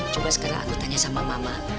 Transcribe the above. coba sekarang aku tanya sama mama